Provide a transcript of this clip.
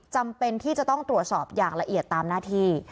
จำเป็นที่จะต้องตรวจสอบอย่างละเอียดตามหน้าที่